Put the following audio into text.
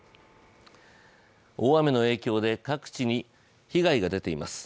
大雨の影響で各地に被害が出ています。